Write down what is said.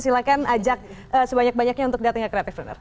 silahkan ajak sebanyak banyaknya untuk datang ke kreatif perner